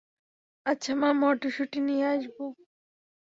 আচ্ছা মা, মটরশুঁটি নিয়ে আসবো।